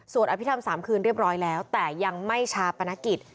อภิษฐรรม๓คืนเรียบร้อยแล้วแต่ยังไม่ชาปนกิจ